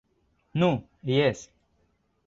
Nu, jes.